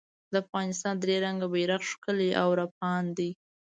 د افغانستان درې رنګه بېرغ ښکلی او رپاند دی